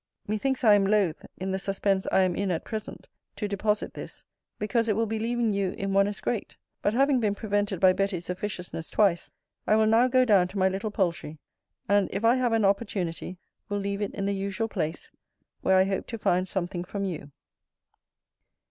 Methinks I am loth, in the suspense I am in at present, to deposit this, because it will be leaving you in one as great: but having been prevented by Betty's officiousness twice, I will now go down to my little poultry; and, if I have an opportunity, will leave it in the usual place, where I hope to find something from you.